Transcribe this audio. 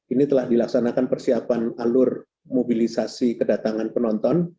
ini telah dilaksanakan persiapan alur mobilisasi kedatangan penonton